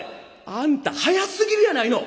「あんた早すぎるやないの！